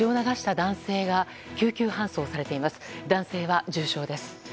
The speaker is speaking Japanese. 男性は重傷です。